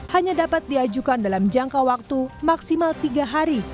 hanya dapat diajukan dalam jangka waktu maksimal tiga hari